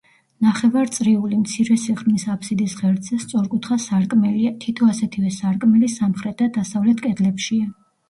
ნახევარწრიული, მცირე სიღრმის აფსიდის ღერძზე სწორკუთხა სარკმელია, თითო ასეთივე სარკმელი სამხრეთ და დასავლეთ კედლებშია.